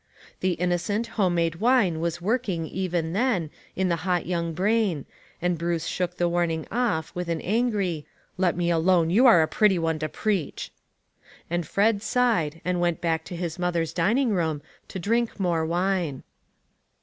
The innocent, home made wine was work ing, even then, in the hot young brain, and Bruce shook the warning off with an angry —" Let me alone ; you are a pretty one to preach !" And Fred sighed, and went back to his mother's dining room to drink more wine.